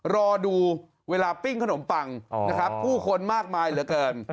รอดูเวลาปิ้งขนมปังนะครับผู้คนมากมายเหลือเกิน